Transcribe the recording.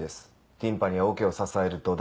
ティンパニはオケを支える土台。